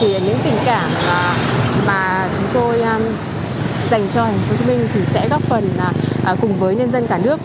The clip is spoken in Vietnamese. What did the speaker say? thì những tình cảm mà chúng tôi dành cho hồ chí minh thì sẽ góp phần cùng với nhân dân cả nước